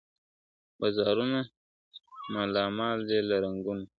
بازارونه مالامال دي له رنګونو ..